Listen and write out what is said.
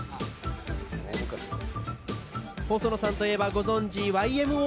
細野さんといえばご存じＹＭＯ！